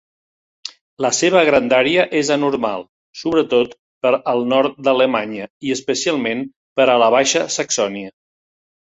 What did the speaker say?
La seva grandària és anormal, sobretot per al nord d'Alemanya i especialment per a la Baixa Saxònia.